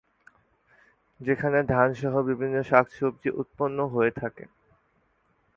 যেখানে ধান সহ বিভিন্ন শাকসবজি উৎপাদন হয়ে থাকে।